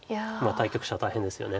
対局者大変ですよね。